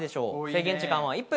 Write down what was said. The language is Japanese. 制限時間は１分。